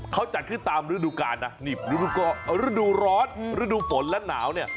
เขาจัดขึ้นตามฤดูกาลนะนี่ฤดูร้อนฤดูฝนและหนาวเนี่ย